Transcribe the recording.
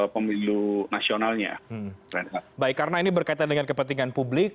pemilu nasionalnya baik karena ini berkaitan dengan kepentingan publik